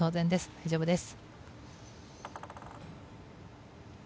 大丈夫です。